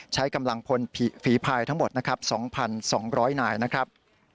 ใช้กำลังพลฝีภายทั้งหมดนะครับ๒๒๐๐นายนะครับ